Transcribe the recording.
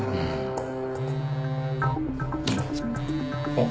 あっ！